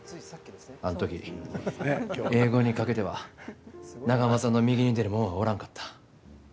あん時、英語にかけては中濱さんの右に出る者はおらんかった。